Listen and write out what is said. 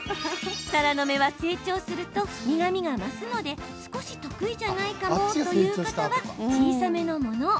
たらの芽は成長すると苦みが増すので少し得意じゃないかもという方は小さめのものを。